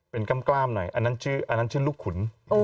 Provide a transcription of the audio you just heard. เป็นกล้ามหน่อยอันนั้นชื่อลูกขุน